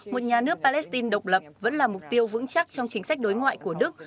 một nhà nước palestine độc lập vẫn là mục tiêu vững chắc trong chính sách đối ngoại của đức